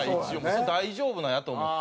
大丈夫なんやと思って。